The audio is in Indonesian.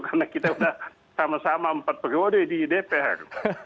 karena kita sudah sama sama empat periode di dpr